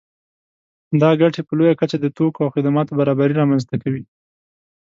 دا ګټې په لویه کچه د توکو او خدماتو برابري رامنځته کوي